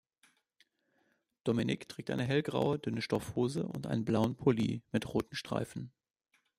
Dominik trägt eine hellgraue dünne Stoffhose und einen blauen Pulli mit roten Streifen.